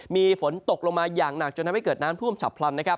มีฝนตกลงมาอย่างหนักจนทำให้เกิดน้ำท่วมฉับพลันนะครับ